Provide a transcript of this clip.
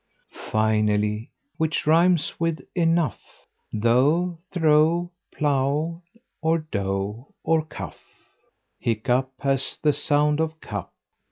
Finally: which rimes with "enough," Though, through, plough, cough, hough, or tough? Hiccough has the sound of "cup"......